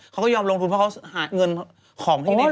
เขาก็ยอมลงทุนเพราะเขาหาเงินของที่นี่